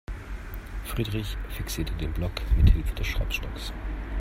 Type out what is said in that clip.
Friedrich fixierte den Block mithilfe des Schraubstocks.